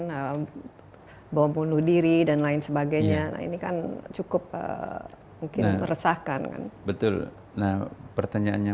hai bawa bunuh diri dan lain sebagainya ini kan cukup mungkin meresahkan betul nah pertanyaannya